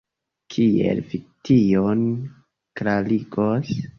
Kiel vi tion klarigos?